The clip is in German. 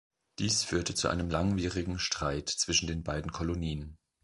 Dies führte zu dem langwierigen Streit zwischen den beiden Kolonien.